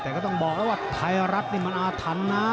แต่ก็ต้องบอกแล้วว่าไทยรัฐนี่มันอาถรรพ์นะ